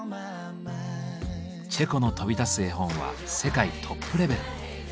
チェコの飛び出す絵本は世界トップレベル。